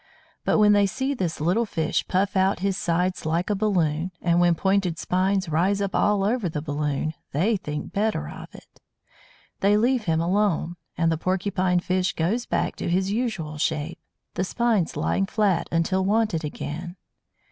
But, when they see this little fish puff out his sides like a balloon, and when pointed spines rise up all over the balloon, they think better of it! They leave him alone; and the Porcupine fish goes back to his usual shape, the spines lying flat until wanted again.